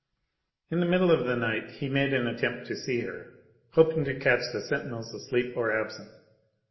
In the middle of the night he made an attempt to see her, hoping to catch the sentinels asleep or absent.